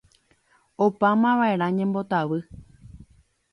Opámavaʼerã ñembotavy.